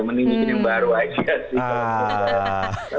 mending mungkin yang baru aja sih kalau menurut saya